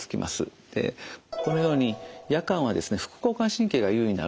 このように夜間は副交感神経が優位になるんですね。